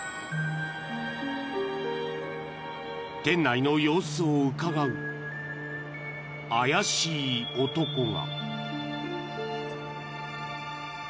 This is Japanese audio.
［店内の様子をうかがう怪しい男が］